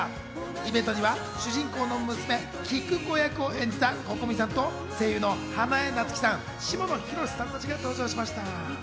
イベントには主人公の娘・キクコ役を演じたＣｏｃｏｍｉさんと声優の花江夏樹さん、下野紘さん達が登場しました。